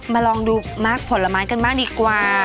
ลองดูมากผลไม้กันบ้างดีกว่า